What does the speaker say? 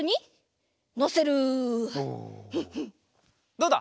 どうだ？